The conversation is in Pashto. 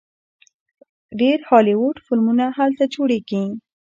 ډیر هالیوډ فلمونه هلته جوړیږي.